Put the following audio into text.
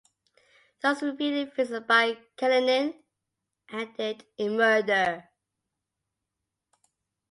Those repeated visits by Kalinin ended in murder.